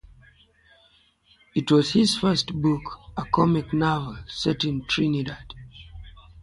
It was his first book, a comic novel set in Trinidad.